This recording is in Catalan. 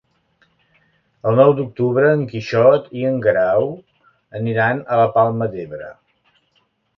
El nou d'octubre en Quixot i en Guerau aniran a la Palma d'Ebre.